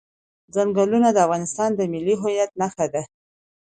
چنګلونه د افغانستان د ملي هویت نښه ده.